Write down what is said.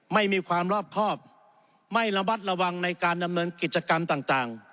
ไม่มีความรอบครอบไม่ระมัดระวังในการดำเนินกิจกรรมต่าง